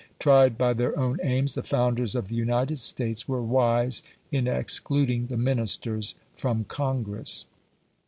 Tried by their own aims, the founders of the United States were wise in excluding the Ministers from Congress.